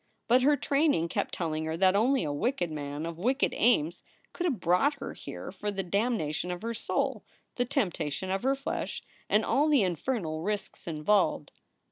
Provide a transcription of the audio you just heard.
But her training kept telling her that only a wicked man of wicked aims could have brought her here for the damna tion of her soul, the temptation of her flesh, and all the infernal risks involved.